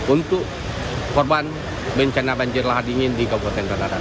untuk korban bencana banjir lahar dingin di kabupaten kota